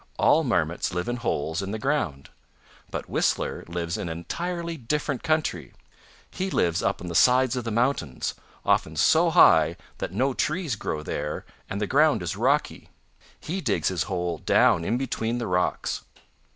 "All Marmots live in holes in the ground, but Whistler lives in entirely different country. He lives up on the sides of the mountains, often so high that no trees grow there and the ground is rocky. He digs his hole down in between the rocks."